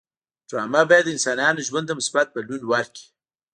ډرامه باید د انسانانو ژوند ته مثبت بدلون ورکړي